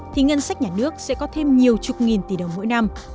thì ngân sách nhà nước sẽ có thêm nhiều chục nghìn tỷ đồng mỗi năm